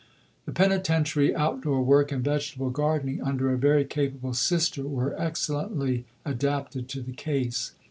The penitentiary out door work and vegetable gardening under a very capable Sister were excellently adapted to the case.